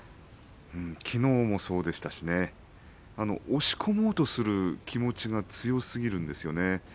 きのうもそうでしたし押し込もうとする気持ちが強すぎるんですよね。